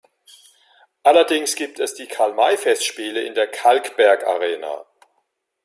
Allerdings gibt es die Karl-May-Festspiele in der Kalkbergarena.